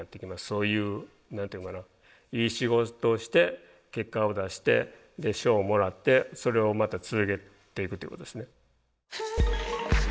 そういう何て言うんかないい仕事をして結果を出して賞をもらってそれをまた続けていくっていうことですね。